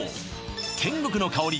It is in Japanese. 天国の香り！